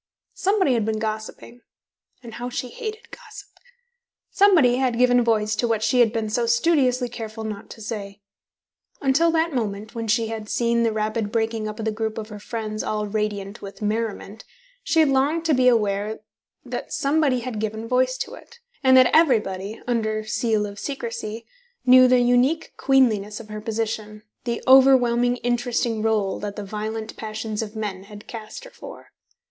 Somebody had been gossiping (and how she hated gossip); somebody had given voice to what she had been so studiously careful not to say. Until that moment, when she had seen the rapid breaking up of the group of her friends all radiant with merriment, she had longed to be aware that somebody had given voice to it, and that everybody (under seal of secrecy) knew the unique queenliness of her position, the overwhelming interesting role that the violent passions of men had cast her for.